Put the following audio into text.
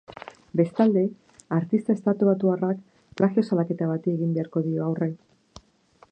Bestalde, artista estatubatuarrak plagio salaketa bati egin beharko dio aurre.